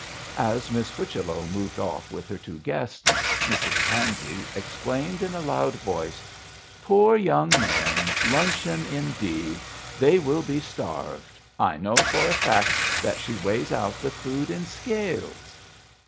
As Miss Whichello moved off with her two guests, Mrs Pansey exclaimed in a loud voice, 'Poor young men! Luncheon indeed! They will be starved. I know for a fact that she weighs out the food in scales.'